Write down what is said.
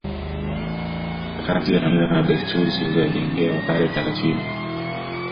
Kati ya mila na desturi zilizowajengea Wapare taratibu